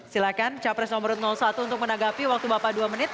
silakan capres nomor satu untuk menanggapi waktu bapak dua menit